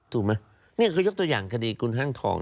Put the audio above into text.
ถูกไหมนี่ก็ยกตัวอย่างคดีกุญห้างทองน่ะ